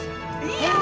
いや！